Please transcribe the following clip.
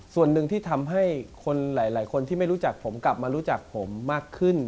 ส่วนหนึ่งที่ทำให้คนหลายคนที่ไม่รู้จักผมกลับมารู้จักผมมากขึ้น